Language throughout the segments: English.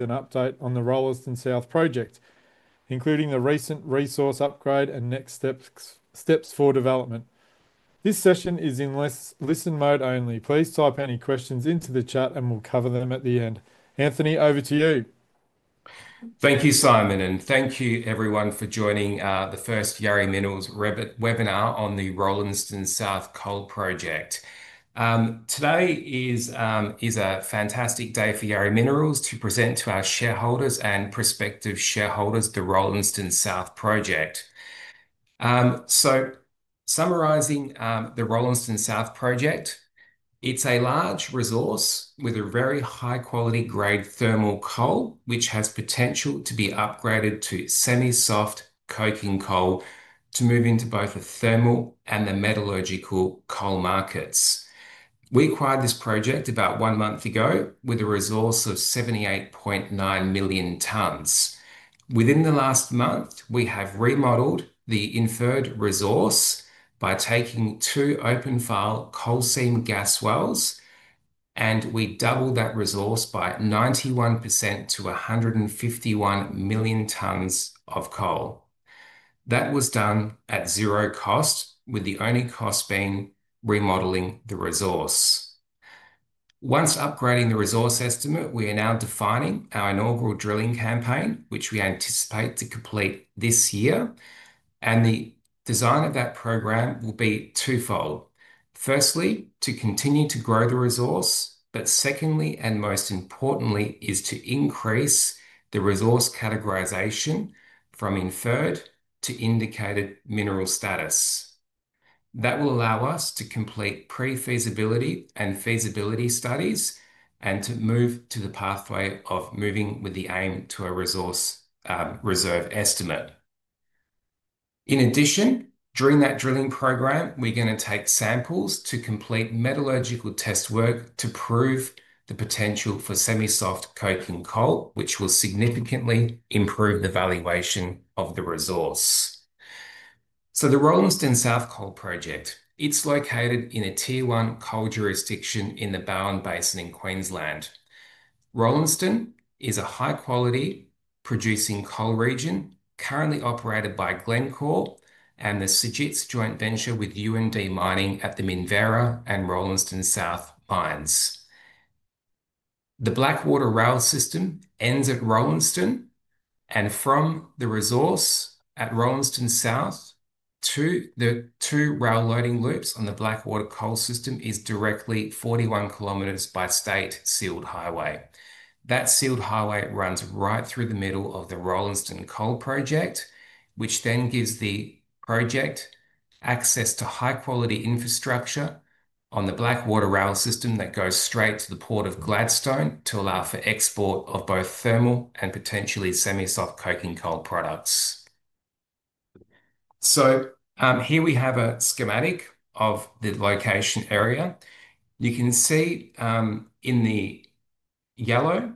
An update on the Rollaston South project, including the recent resource upgrade and next steps for development. This session is in listen mode only. Please type any questions into the chat, and we will cover them at the end. Anthony, over to you. Thank you, Simon, and thank you, everyone, for joining the first Yari Minerals webinar on the Rolleston South Coal Project. Today is a fantastic day for Yari Minerals to present to our shareholders and prospective shareholders the Rolleston South project. Summarizing the Rolleston South project, it is a large resource with a very high-quality grade thermal coal, which has potential to be upgraded to semi-soft coking coal to move into both the thermal and the metallurgical coal markets. We acquired this project about one month ago with a resource of 78.9 million tons. Within the last month, we have remodeled the inferred resource by taking two open-file coal seam gas wells, and we doubled that resource by 91% to 151 million tons of coal. That was done at zero cost, with the only cost being remodeling the resource. Once upgrading the resource estimate, we are now defining our inaugural drilling campaign, which we anticipate to complete this year. The design of that program will be twofold. Firstly, to continue to grow the resource, but secondly, and most importantly, is to increase the resource categorization from inferred to indicated mineral status. That will allow us to complete pre-feasibility and feasibility studies and to move to the pathway of moving with the aim to a resource reserve estimate. In addition, during that drilling program, we're going to take samples to complete metallurgical test work to prove the potential for semi-soft coking coal, which will significantly improve the valuation of the resource. The Rolleston South Coal Project, it's located in a Tier 1 coal jurisdiction in the Bowen Basin in Queensland. Rollaston is a high-quality producing coal region currently operated by Glencore and the Sumisho joint venture with UMD Mining at the Meteor Downs and Rollaston South mines. The Blackwater Rail system ends at Rollaston, and from the resource at Rollaston South to the two rail loading loops on the Blackwater Rail system is directly 41 kilometers by state sealed highway. That sealed highway runs right through the middle of the Rollaston South Coal Project, which then gives the project access to high-quality infrastructure on the Blackwater Rail system that goes straight to the Port of Gladstone to allow for export of both thermal and potentially semi-soft coking coal products. Here we have a schematic of the location area. You can see in the yellow,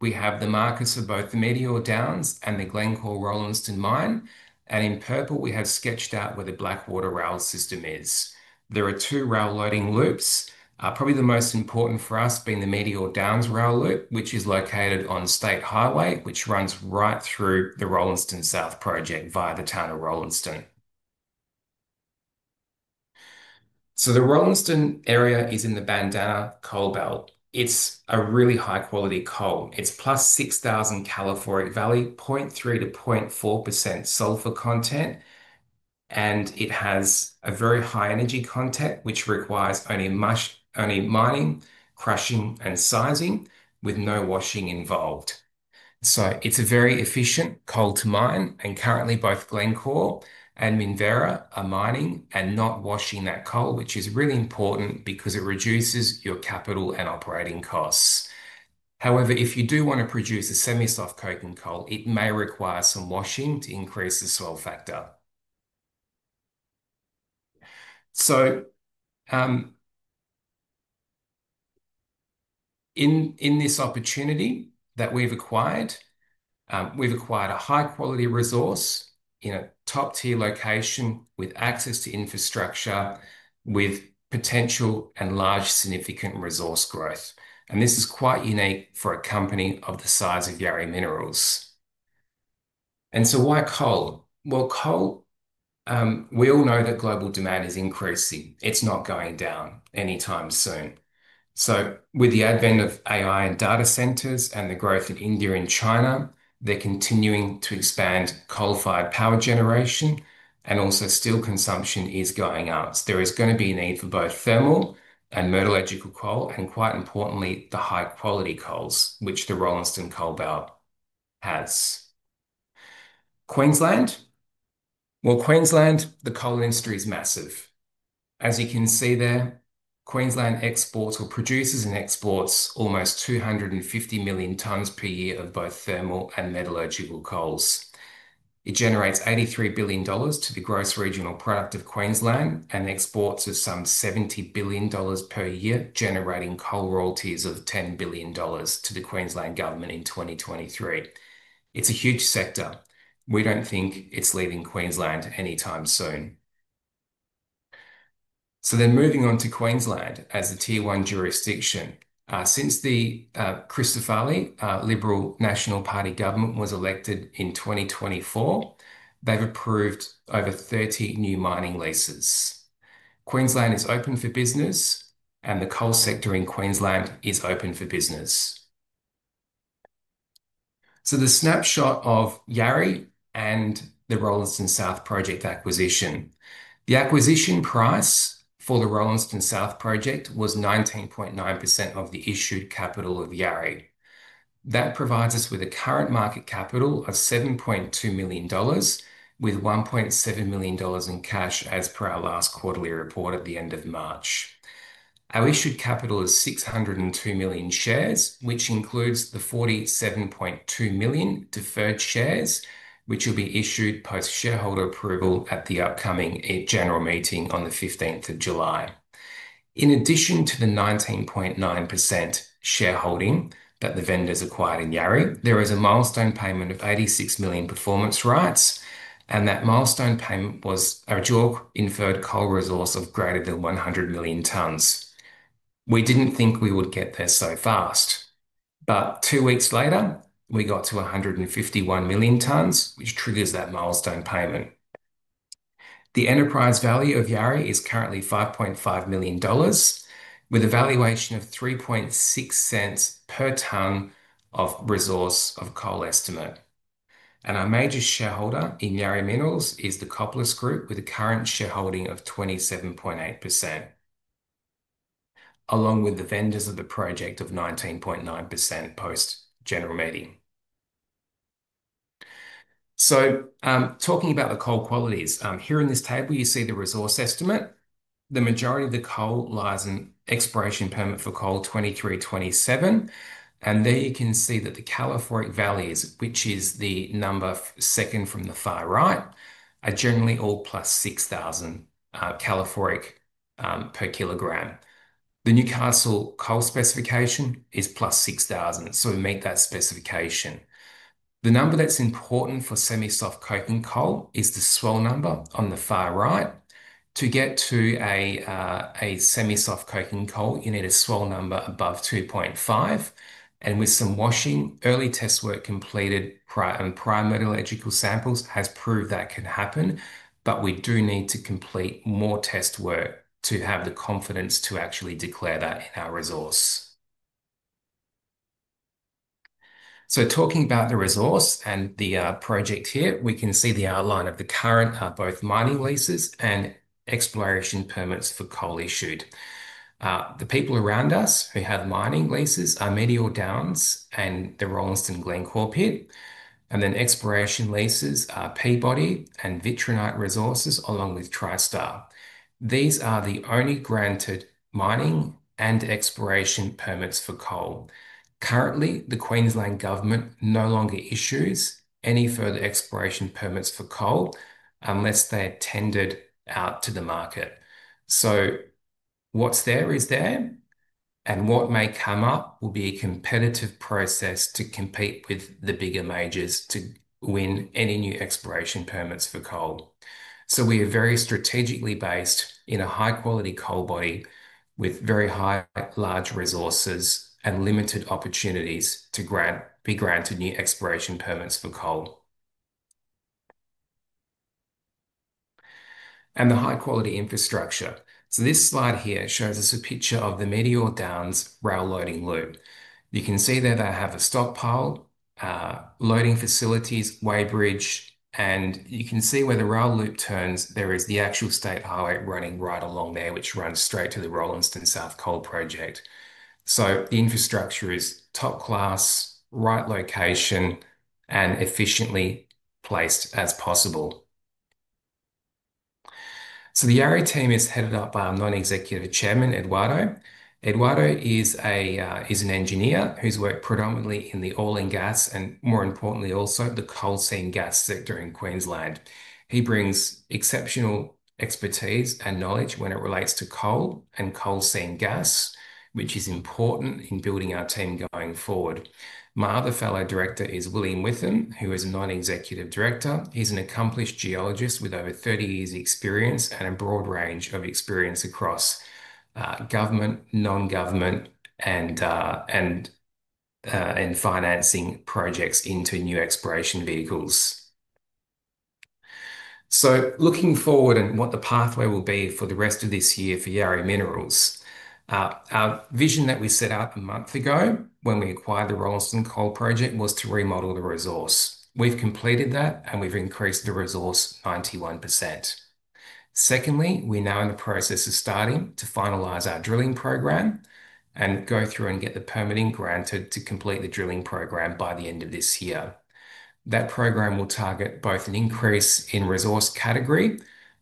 we have the markers for both the Meteor Downs and the Glencore Rollaston mine, and in purple, we have sketched out where the Blackwater Rail system is. There are two rail loading loops, probably the most important for us being the Meteor Downs rail loop, which is located on State Highway, which runs right through the Rollaston South project via the town of Rollaston. The Rollaston area is in the Bandanna Coal Belt. It's a really high-quality coal. It's plus 6,000 kcal/kg for calorific value, 0.3-0.4% sulfur content, and it has a very high energy content, which requires only mining, crushing, and sizing with no washing involved. It's a very efficient coal to mine, and currently both Glencore and Minerva are mining and not washing that coal, which is really important because it reduces your capital and operating costs. However, if you do want to produce a semi-soft coking coal, it may require some washing to increase the swell factor. In this opportunity that we've acquired, we've acquired a high-quality resource in a top-tier location with access to infrastructure with potential and large significant resource growth. This is quite unique for a company of the size of Yari Minerals. Why coal? Coal, we all know that global demand is increasing. It's not going down anytime soon. With the advent of AI and data centers and the growth in India and China, they're continuing to expand coal-fired power generation, and also steel consumption is going up. There is going to be a need for both thermal and metallurgical coal, and quite importantly, the high-quality coals, which the Rolleston Coal Belt has. Queensland. Queensland, the coal industry is massive. As you can see there, Queensland produces and exports almost 250 million tons per year of both thermal and metallurgical coals. It generates 83 billion dollars to the gross regional product of Queensland and exports of some 70 billion dollars per year, generating coal royalties of 10 billion dollars to the Queensland government in 2023. It's a huge sector. We don't think it's leaving Queensland anytime soon. Moving on to Queensland as a Tier 1 jurisdiction. Since the Christoph Ali Liberal National Party government was elected in 2024, they've approved over 30 new mining leases. Queensland is open for business, and the coal sector in Queensland is open for business. The snapshot of Yari and the Rollaston South project acquisition. The acquisition price for the Rollaston South project was 19.9% of the issued capital of Yari. That provides us with a current market capital of 7.2 million dollars, with 1.7 million dollars in cash as per our last quarterly report at the end of March. Our issued capital is 602 million shares, which includes the 47.2 million deferred shares, which will be issued post-shareholder approval at the upcoming general meeting on the 15th of July. In addition to the 19.9% shareholding that the vendors acquired in Yari, there is a milestone payment of 86 million performance rights, and that milestone payment was a dual inferred coal resource of greater than 100 million tons. We did not think we would get there so fast, but two weeks later, we got to 151 million tons, which triggers that milestone payment. The enterprise value of Yari is currently 5.5 million dollars, with a valuation of 0.036 per tonne of resource of coal estimate. Our major shareholder in Yari Minerals is the Copulos Group, with a current shareholding of 27.8%, along with the vendors of the project of 19.9% post-general meeting. Talking about the coal qualities, here in this table, you see the resource estimate. The majority of the coal lies in exploration permit for coal 2327, and there you can see that the calorific values, which is the number second from the far right, are generally all plus 6,000 kcal/kg. The Newcastle coal specification is plus 6,000, so we meet that specification. The number that's important for semi-soft coking coal is the swell number on the far right. To get to a semi-soft coking coal, you need a swell number above 2.5, and with some washing, early test work completed and prior metallurgical samples has proved that can happen, but we do need to complete more test work to have the confidence to actually declare that in our resource. Talking about the resource and the project here, we can see the outline of the current both mining leases and exploration permits for coal issued. The people around us who have mining leases are Meteor Downs and the Rollaston Glencore pit, and then exploration leases are Peabody and Vitronite Resources along with Tristar. These are the only granted mining and exploration permits for coal. Currently, the Queensland government no longer issues any further exploration permits for coal unless they're tendered out to the market. What's there is there, and what may come up will be a competitive process to compete with the bigger majors to win any new exploration permits for coal. We are very strategically based in a high-quality coal body with very high large resources and limited opportunities to be granted new exploration permits for coal. The high-quality infrastructure. This slide here shows us a picture of the Meteor Downs rail loading loop. You can see there they have a stockpile, loading facilities, weighbridge, and you can see where the rail loop turns, there is the actual state highway running right along there, which runs straight to the Rollaston South Coal Project. The infrastructure is top class, right location, and efficiently placed as possible. The Yari team is headed up by our Non-Executive Chairman, Eduardo. Eduardo is an engineer who's worked predominantly in the oil and gas and, more importantly, also the coal seam gas sector in Queensland. He brings exceptional expertise and knowledge when it relates to coal and coal seam gas, which is important in building our team going forward. My other fellow director is William Witham, who is a Non-Executive Director. He's an accomplished geologist with over 30 years' experience and a broad range of experience across government, non-government, and financing projects into new exploration vehicles. Looking forward and what the pathway will be for the rest of this year for Yari Minerals, our vision that we set out a month ago when we acquired the Rollaston South Coal Project was to remodel the resource. We've completed that, and we've increased the resource 91%. Secondly, we're now in the process of starting to finalize our drilling program and go through and get the permitting granted to complete the drilling program by the end of this year. That program will target both an increase in resource category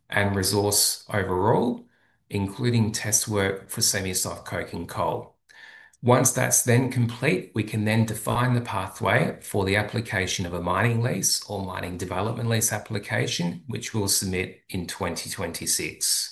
and resource overall, including test work for semi-soft coking coal. Once that's then complete, we can then define the pathway for the application of a mining lease or mining development lease application, which we'll submit in 2026.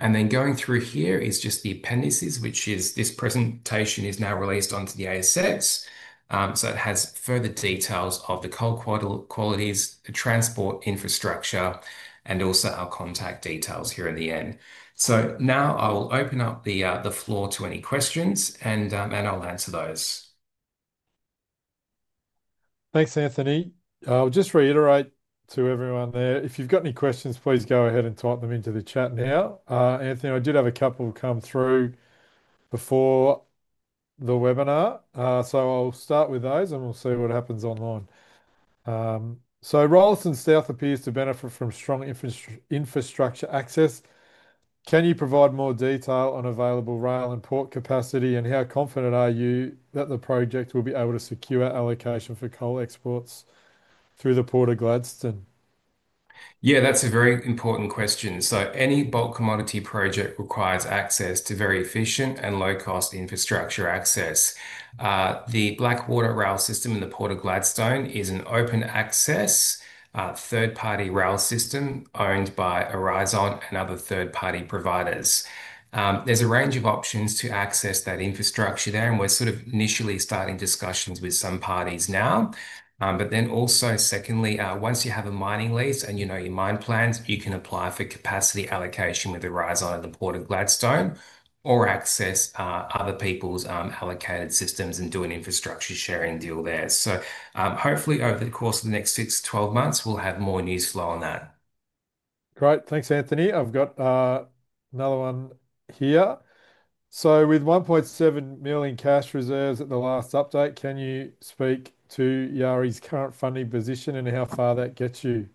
Going through here is just the appendices, which is this presentation is now released onto the ASX. It has further details of the coal qualities, the transport infrastructure, and also our contact details here in the end. Now I will open up the floor to any questions, and I'll answer those. Thanks, Anthony. I'll just reiterate to everyone there, if you've got any questions, please go ahead and type them into the chat now. Anthony, I did have a couple come through before the webinar, so I'll start with those and we'll see what happens online. Rollaston South appears to benefit from strong infrastructure access. Can you provide more detail on available rail and port capacity, and how confident are you that the project will be able to secure allocation for coal exports through the Port of Gladstone? Yeah, that's a very important question. Any bulk commodity project requires access to very efficient and low-cost infrastructure access. The Blackwater Rail system and the Port of Gladstone is an open access third-party rail system owned by Horizon and other third-party providers. There's a range of options to access that infrastructure there, and we're sort of initially starting discussions with some parties now. Also, once you have a mining lease and you know your mine plans, you can apply for capacity allocation with Horizon and the Port of Gladstone or access other people's allocated systems and do an infrastructure sharing deal there. Hopefully over the course of the next six to 12 months, we'll have more news flow on that. Great, thanks, Anthony. I've got another one here. With 1.7 million cash reserves at the last update, can you speak to Yari's current funding position and how far that gets you?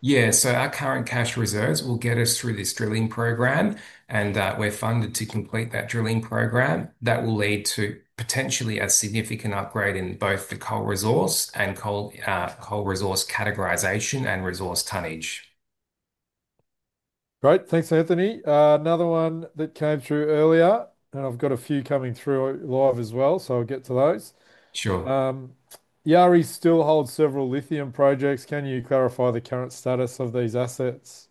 Yeah, our current cash reserves will get us through this drilling program, and we're funded to complete that drilling program. That will lead to potentially a significant upgrade in both the coal resource and coal resource categorization and resource tonnage. Great, thanks, Anthony. Another one that came through earlier, and I've got a few coming through live as well, so I'll get to those. Sure. Yari still holds several lithium projects. Can you clarify the current status of these assets?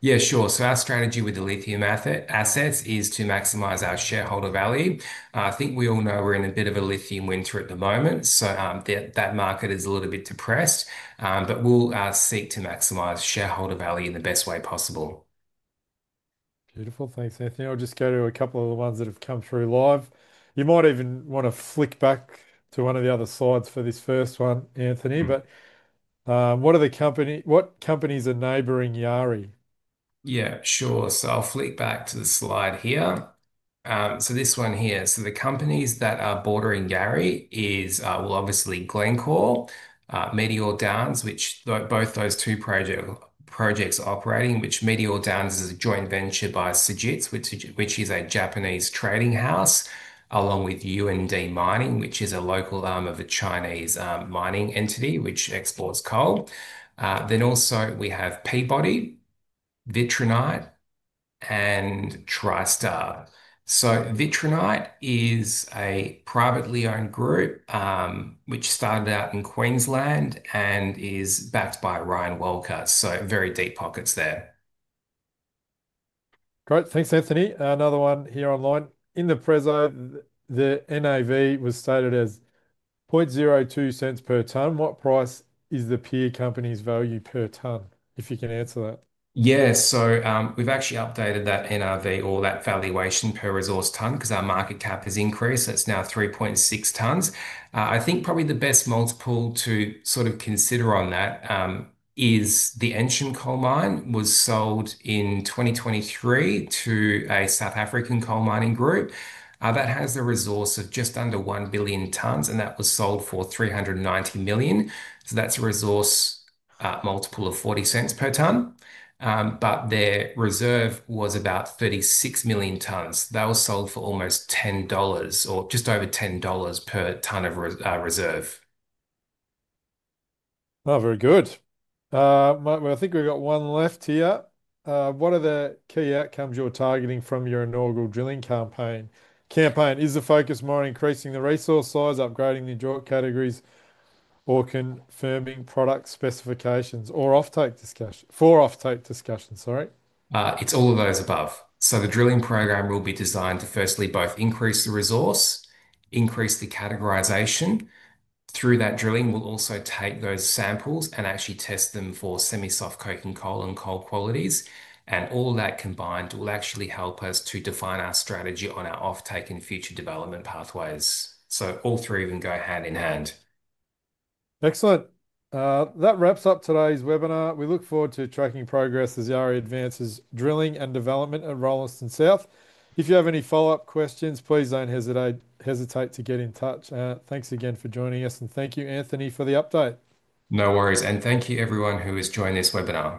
Yeah, sure. Our strategy with the lithium assets is to maximize our shareholder value. I think we all know we're in a bit of a lithium winter at the moment, so that market is a little bit depressed, but we'll seek to maximize shareholder value in the best way possible. Beautiful, thanks, Anthony. I'll just go to a couple of the ones that have come through live. You might even want to flick back to one of the other slides for this first one, Anthony, but what are the companies that are neighboring Yari? Yeah, sure. So, I'll flick back to the slide here. So, this one here, so the companies that are bordering Yari will obviously be Glencore, Meteor Downs, which both those two projects are operating, which Meteor Downs is a joint venture by Sumisho, which is a Japanese trading house, along with UMD Mining, which is a local arm of a Chinese mining entity which exports coal. We also have Peabody, Vitronite, and Tristar. Vitronite is a privately owned group which started out in Queensland and is backed by Ryan Welcher, so very deep pockets there. Great, thanks, Anthony. Another one here online. In the PREZO, the NAV was stated as 0.0002 per tonne. What price is the peer company's value per tonne, if you can answer that? Yeah, we have actually updated that NAV or that valuation per resource tonne because our market cap has increased. It is now 3.6 per tonne. I think probably the best multiple to sort of consider on that is the Enshen coal mine was sold in 2023 to a South African coal mining group that has a resource of just under 1 billion tonnes, and that was sold for 390 million. That is a resource multiple of 0.40 per tonne, but their reserve was about 36 million tonnes. That was sold for almost $10 or just over $10 per tonne of reserve. Oh, very good. I think we've got one left here. What are the key outcomes you're targeting from your inaugural drilling campaign? Is the focus more on increasing the resource size, upgrading the joint categories, or confirming product specifications or off-take discussion for off-take discussion, sorry? It's all of those above. The drilling program will be designed to firstly both increase the resource, increase the categorization through that drilling, will also take those samples and actually test them for semi-soft coking coal and coal qualities, and all of that combined will actually help us to define our strategy on our off-take and future development pathways. All three even go hand in hand. Excellent. That wraps up today's webinar. We look forward to tracking progress as Yari advances drilling and development at Rollaston South. If you have any follow-up questions, please do not hesitate to get in touch. Thanks again for joining us, and thank you, Anthony, for the update. No worries, and thank you everyone who has joined this webinar.